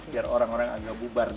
biar orang orang agak bubar